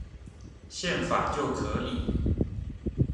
憲法就可以